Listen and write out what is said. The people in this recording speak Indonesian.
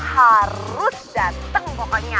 harus dateng pokoknya